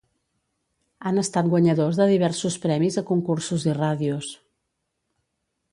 Han estat guanyadors de diversos premis a concursos i ràdios.